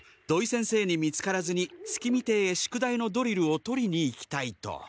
土井先生に見つからずに月見亭へ宿題のドリルを取りに行きたいと。